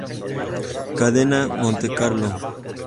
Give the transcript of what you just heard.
Cadena Montecarlo.